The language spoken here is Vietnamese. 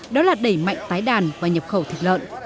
đó là đẩy mạnh tái đàn và nhập khẩu thịt lợn